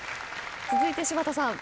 続いて柴田さん。